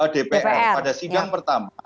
dpr pada sidang pertama